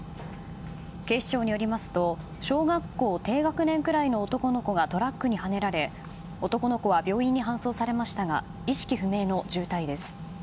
警視庁によりますと小学校低学年くらいの男の子がトラックにはねられ男の子は病院に搬送されましたが意識不明の重体です。